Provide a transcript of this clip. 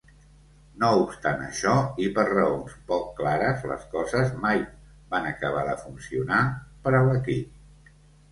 No obstant això, i per raons poc clares, les coses mai van acabar de funcionar per a l'equip.